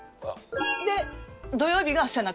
で土曜日が背中。